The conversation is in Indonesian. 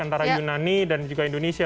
antara yunani dan juga indonesia